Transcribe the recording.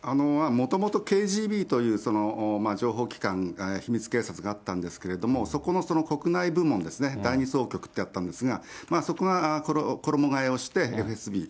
もともとＫＧＢという情報機関、秘密警察があったんですけれども、そこの国内部門ですね、第２総局ってあったんですが、そこが衣がえをして、ＦＳＢ。